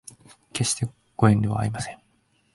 決してご遠慮はありません